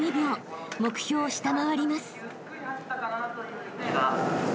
［目標を下回ります］